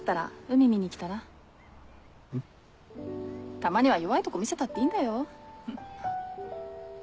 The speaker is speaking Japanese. たまには弱いとこ見せたっていいんだよ。